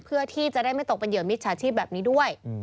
เพื่อที่จะได้ไม่ตกเป็นเหยื่อมิจฉาชีพแบบนี้ด้วย